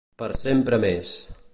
Per sempre més.